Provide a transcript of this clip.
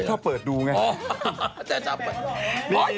มันค้าเปิดดูไง